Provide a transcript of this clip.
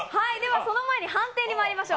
その前に判定にまいりましょう。